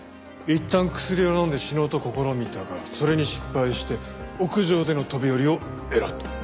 いったん薬を飲んで死のうと試みたがそれに失敗して屋上での飛び降りを選んだ。